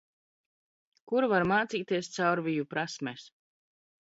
Kur var m?c?ties caurviju prasmes?